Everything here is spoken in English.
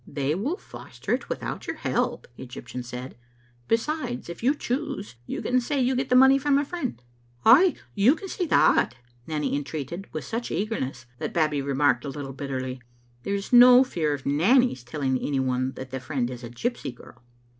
"They will foster it without your help," the Egyp tian said. " Besides, if you choose, you can say you get the money from a friend. " "Ay, you can say that," Nanny entreated with such eagerness that Babbie remarked a little bitterly: " There is no fear of Nanny's telling any one that the friend is a gypsy girl."